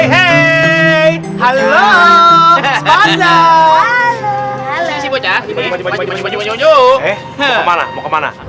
ini sabi dong alison beliau urfaan dan saling harus selalu berada di samping tiga puluh dua di sini